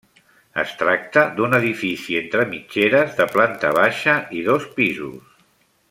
Es tracta d'un edifici entre mitgeres de planta baixa i dos pisos.